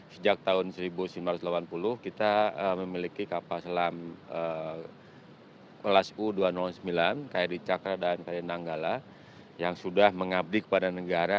sejak tahun seribu sembilan ratus delapan puluh kita memiliki kapal selam kelas u dua ratus sembilan kri cakra dan kri nanggala yang sudah mengabdi kepada negara